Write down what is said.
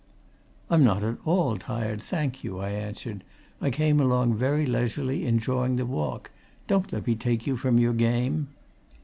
"I'm not at all tired, thank you," I answered. "I came along very leisurely, enjoying the walk. Don't let me take you from your game."